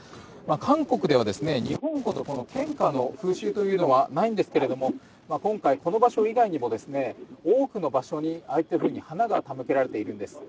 韓国では日本ほど献花の風習というのはないんですが今回、この場所以外にも多くの場所にああいったふうに花が手向けられているんです。